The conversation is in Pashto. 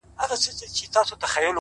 • نه ، نه داسي نه ده،